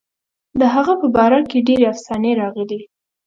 د هغه په باره کې ډېرې افسانې راغلي.